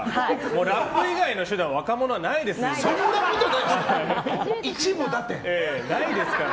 ラップ以外の手段若者はないですから。